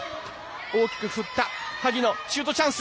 大きく振った萩野、シュートチャンス。